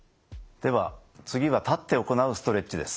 では次は立って行うストレッチです。